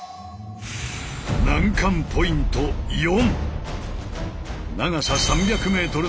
難関ポイント４。